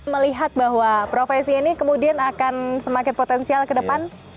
melihat bahwa profesi ini kemudian akan semakin potensial ke depan